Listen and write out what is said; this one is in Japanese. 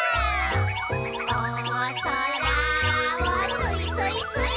「おそらをすいすいすいー」